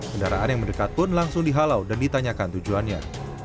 kendaraan yang mendekat pun langsung dihalau dan ditanyakan tujuannya